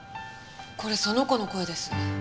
これその子の声です。